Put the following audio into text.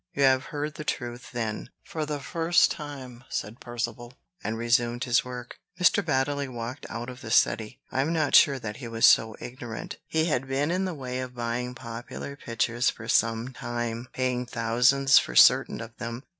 "You have heard the truth, then, for the first time," said Percivale, and resumed his work. Mr. Baddeley walked out of the study. I am not sure that he was so very ignorant. He had been in the way of buying popular pictures for some time, paying thousands for certain of them.